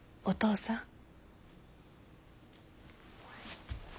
お父さん。